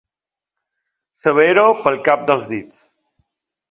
Saber-ho pel cap dels dits.